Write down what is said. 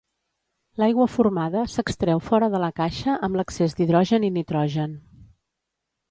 L'aigua formada s'extreu fora de la caixa amb l'excés d'hidrogen i nitrogen.